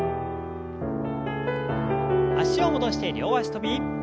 脚を戻して両脚跳び。